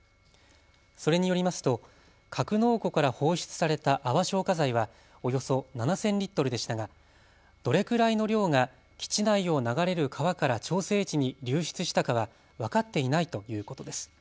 それによりますと格納庫から放出された泡消火剤はおよそ７０００リットルでしたがどれぐらいの量が基地内を流れる川から調整池に流出したかは分かっていないということです。